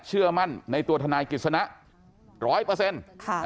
เชื่อมั่นในตัวทนายกิจสนะร้อยเปอร์เซ็นต์